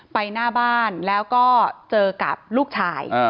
หน้าบ้านแล้วก็เจอกับลูกชาย